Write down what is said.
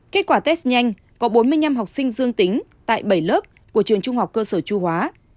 kết quả test nhanh có bốn mươi năm học sinh dương tính tại bảy lớp của trường trung học cơ sở chu hóa